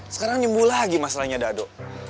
sekarang nyembuh lagi masalahnya dado